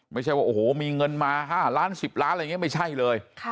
ไม่ใช่ว่าโอ้โหมีเงินมา๕ล้าน๑๐ล้านอะไรอย่างนี้ไม่ใช่เลย